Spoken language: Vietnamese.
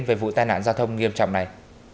về vụ tai nạn giao thông nghiêm trọng này